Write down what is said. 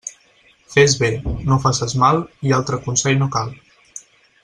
Fes bé, no faces mal i altre consell no cal.